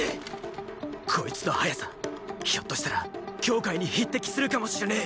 こいつの速さひょっとしたら羌に匹敵するかもしれねェ！！